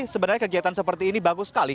sebenarnya kegiatan seperti ini bagus sekali